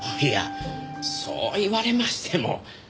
いやそう言われましても。